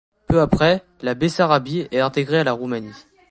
Peu après, la Bessarabie est intégrée à la Roumanie.